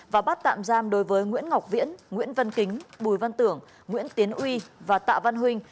và bắt tạm giam đối với nguyễn ngọc viễn nguyễn văn kính bùi văn tưởng nguyễn tiến uy và tạ văn huynh